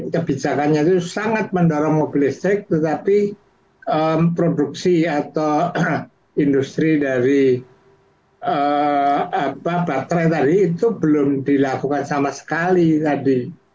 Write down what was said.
kebijakannya itu sangat mendorong mobil listrik tetapi produksi atau industri dari baterai tadi itu belum dilakukan sama sekali tadi